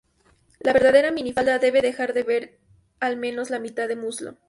La verdadera minifalda debe dejar ver al menos la mitad del muslo.